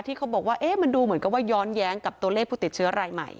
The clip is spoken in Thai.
เขาบอกว่ามันดูเหมือนกับว่าย้อนแย้งกับตัวเลขผู้ติดเชื้อรายใหม่